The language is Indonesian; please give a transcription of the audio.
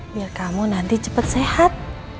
biar kamu nanti cepat sehat